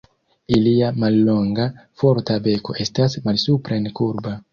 Ilia mallonga, forta beko estas malsupren kurba.